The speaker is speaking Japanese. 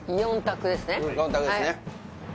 ４択ですね